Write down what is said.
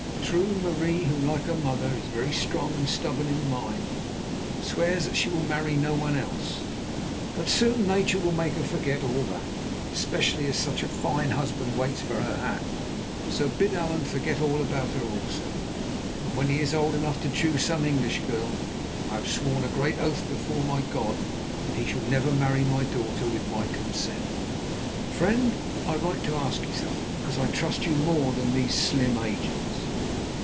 True, Marie, who, like her mother, is very strong and stubborn in mind, swears that she will marry no one else; but soon Nature will make her forget all that, especially as such a fine husband waits for her hand. So bid Allan forget all about her also, and when he is old enough choose some English girl. I have sworn a great oath before my God that he shall never marry my daughter with my consent. "'Friend, I write to ask you something because I trust you more than these slim agents.